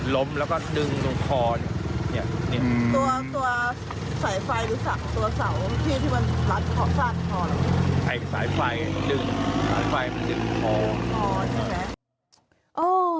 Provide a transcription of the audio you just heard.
ล้มแล้วก็ดึงตรงคอน